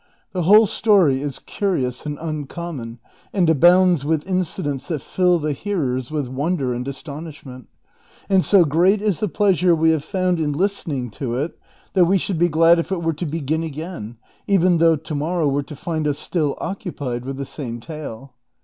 The whole story is curious and imcommon, and abounds witli incidents that fill the hearers with wonder and astonishment ; and so great is tlie pleasure we have found in listening to it that we should be glad if it were to begin again, even though to morrow were to find us still o('CU})ied witli the same tale."